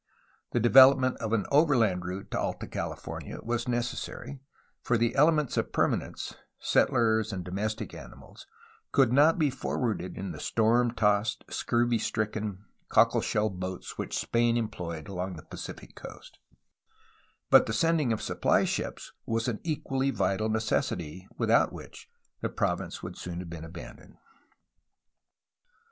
The development of an overland route to Alta California was necessary, for the elements of permanence (settlers and domestic animals) could not be forwarded in the storm tossed, scurvy stricken, ' 282 BUCARELI'S ATTENTION TO LOCAL PROBLEMS 283 cockle shell boats which Spain employed along the Pacific coast, but the sending of supply ships was an equally vital necessity, without which the province would soon have been abandoned.